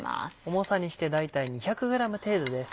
重さにして大体２００ｇ程度です。